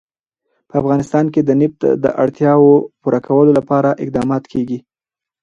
په افغانستان کې د نفت د اړتیاوو پوره کولو لپاره اقدامات کېږي.